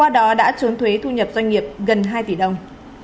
đã trốn thuế thu nhập doanh nghiệp gần hai tỷ đồng